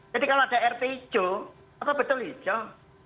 jadi kalau ada rt hijau apa betul hijau